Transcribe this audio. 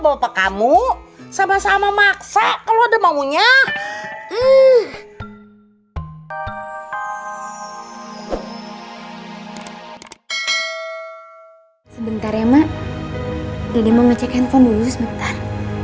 apa kamu sama sama maksa kalau ada maunya sebentar ya mak jadi mau ngecek handphone dulu sebentar